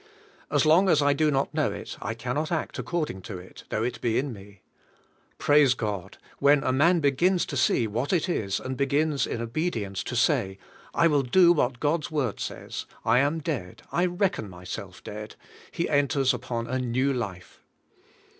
As long as I do not know it, I can not act according to it, though it be in me. Praise God, when a man begins to see what it is, and begins in obedi ence to sa}^ "I will do what God's Word says; I am dead, I reckon myself dead," he enters upon a new life.